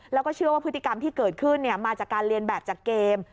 แล้วก็เชื่อว่าพฤติกรรมที่เกิดขึ้นมาจากการเรียนแบบจากเกม